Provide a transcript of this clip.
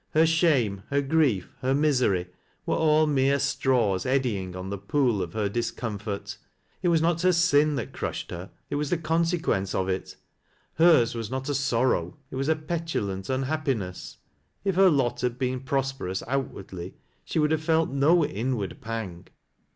Her shame, her grief, her misery, were all mere straws eddying on the pool of her discomfort. It was not her sin that crushed her, it was the consequence of it ; hers was not a sorrow, it was a petulant unhappiness. If her lot had been prosper ous outwardly, she would have felt no inward pang.